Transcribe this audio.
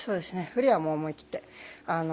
フリーはもう思い切って。